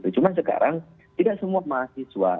cuma sekarang tidak semua mahasiswa